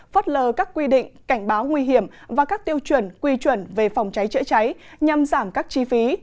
phớt lờ các quy định cảnh báo nguy hiểm và các tiêu chuẩn quy chuẩn về phòng cháy chữa cháy nhằm giảm các chi phí